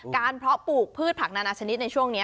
เพาะปลูกพืชผักนานาชนิดในช่วงนี้